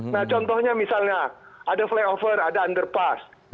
nah contohnya misalnya ada flyover ada underpass